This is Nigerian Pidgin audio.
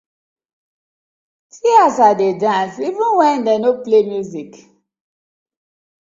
See as I dey dance even wen dem no play music.